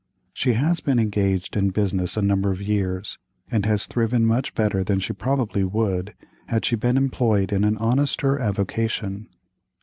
She has been engaged in business a number of years, and has thriven much better than she probably would, had she been employed in an honester avocation.